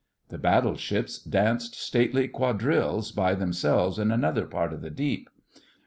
The battleships danced stately quadrilles by themselves in another part of the deep.